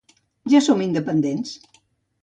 Ja som independents